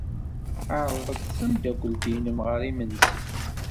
Ɛreḍ-d tameddakelt-nnem ɣer yimensi.